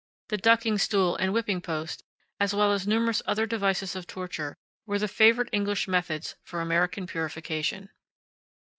The ducking stool and whipping post, as well as numerous other devices of torture, were the favorite English methods for American purification.